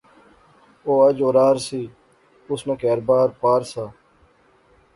او اج اورار سی، اس نا کہھر بار پار سا